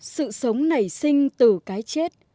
sự sống nảy sinh từ cái chết